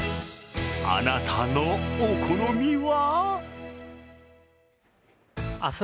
あなたのお好みは？